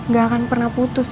gak akan pernah putus